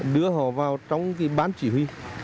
đưa họ vào trong cái bán chỉ huy